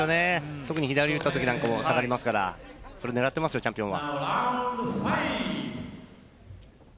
特に左打ったときは下がりますから、それを狙ってますよ、チャンピオンは。